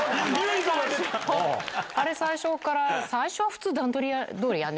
あれ、最初から、最初は普通、段取りどおりやんね？